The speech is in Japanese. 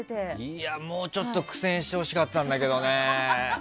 いや、もうちょっと苦戦してほしかったんだけどね。